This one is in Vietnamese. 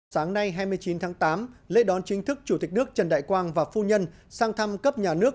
sáng nay hai mươi chín tháng tám lễ đón chính thức chủ tịch nước trần đại quang và phu nhân sang thăm cấp nhà nước